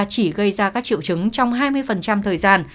chỉ gây ra các triệu chứng trong hai mươi thời gian